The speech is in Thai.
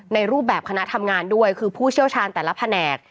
ในรูปแบบคณะทำงานด้วยคือผู้เชี่ยวชาญแต่ละแผนก